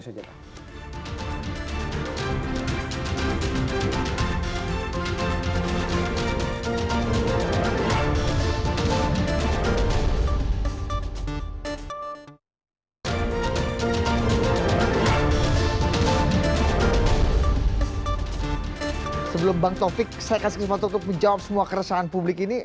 sebelum bang topik saya kasih kesempatan untuk menjawab semua keresahan publik ini